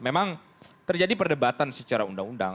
memang terjadi perdebatan secara undang undang